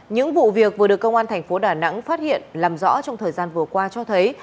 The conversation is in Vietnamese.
những vụ việc vừa được công an thành phố đà nẵng phát hiện làm rõ trong thời gian vừa qua cho thấy